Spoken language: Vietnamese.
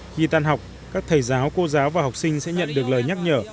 khi tan học các thầy giáo cô giáo và học sinh sẽ nhận được lời nhắc nhở